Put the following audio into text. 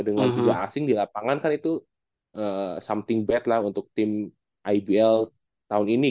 dengan juga asing di lapangan kan itu something bed lah untuk tim ibl tahun ini